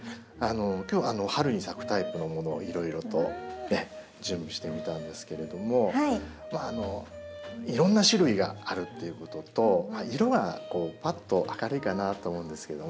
今日春に咲くタイプのものをいろいろと準備してみたんですけれどもいろんな種類があるっていうことと色がぱっと明るいかなと思うんですけどもね。